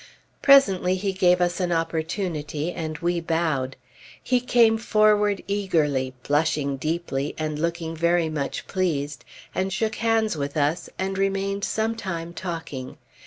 Presently he gave us an opportunity, and we bowed. He came forward eagerly, blushing deeply, and looking very much pleased, and shook hands with us, and remained some time talking.